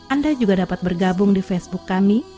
anda juga dapat bergabung di facebook kami